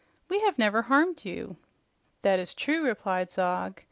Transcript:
"We have never harmed you." "That is true," replied Zog.